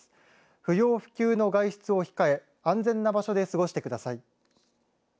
不要不急の外出を控え安全な場所で過ごしてください。